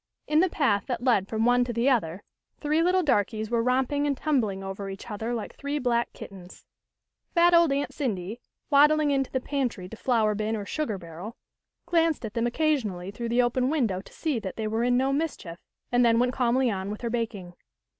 In the path that led from one to the other, three little darkies were romping and tumbling over each other like three black kittens. Fat old Aunt Cindy, waddling into the pantry to flour bin or sugar barrel, glanced at them occa sionally through the open window to see that they were in no mischief, and then went calmly on with her baking.